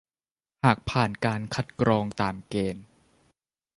หากผ่านการคัดกรองตามเกณฑ์